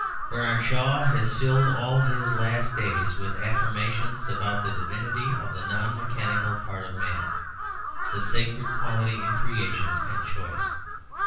Bernard Shaw has filled all his last days with affirmations about the divinity of the non mechanical part of man, the sacred quality in creation and choice.